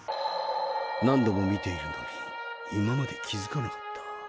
何度も観ているのに今まで気づかなかった。